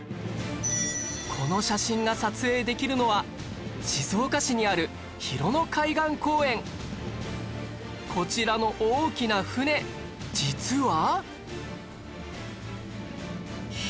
この写真が撮影できるのはこちらの大きな船実は